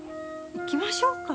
行きましょうか。